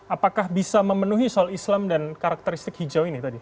apakah bisa memenuhi soal islam dan karakteristik hijau ini tadi